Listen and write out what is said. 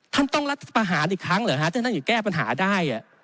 ท่านต้องรัฐประหารอีกครั้งเหรอฮะถ้าท่านอยู่แก้ปัญหาได้